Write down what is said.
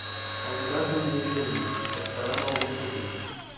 El dimarts no et llevis del llit, que et farà molt més profit.